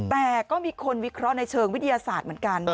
แต่ก็มีคนวิเคราะห์ในเชิงวิทยาศาสตร์เหมือนกัน